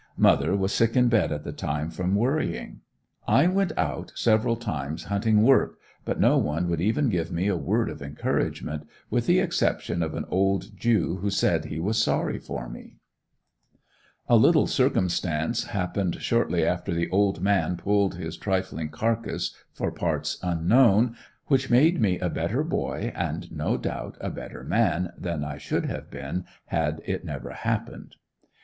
Mother was sick in bed at the time from worrying. I went out several times hunting work but no one would even give me a word of encouragement, with the exception of an old Jew who said he was sorry for me. A little circumstance happened, shortly after the "old man" pulled his trifling carcass for parts unknown, which made me a better boy and no doubt a better man than I should have been had it never happened.